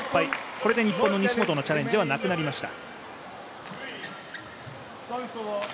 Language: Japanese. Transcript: これで日本の西本のチャレンジはなくなりました。